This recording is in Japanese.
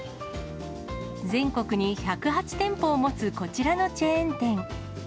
全国に１０８店舗を持つこちらのチェーン店。